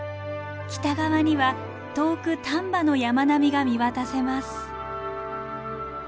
北側には遠く丹波の山並みが見渡せます。